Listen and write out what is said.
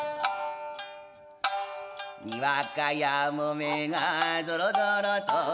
「にわかやもめがぞろぞろと」